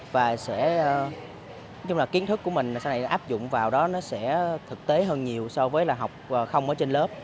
và kiến thức của mình sau này áp dụng vào đó sẽ thực tế hơn nhiều so với học không ở trên lớp